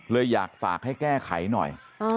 เลยอยากฝากให้แก้ไขหน่อย